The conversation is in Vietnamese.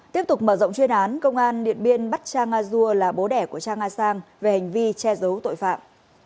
tiếp tục mở rộng chuyên án công an điện biên bắt trang a dua là bố đẻ của trang a sang về hành vi che giấu tội phạm